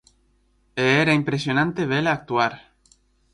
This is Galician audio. E era impresionante vela actuar.